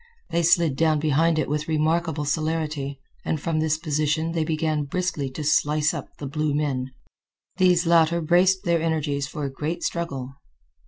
They slid down behind it with remarkable celerity, and from this position they began briskly to slice up the blue men. These latter braced their energies for a great struggle.